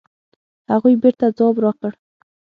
هغوی بېرته ځواب راکړ.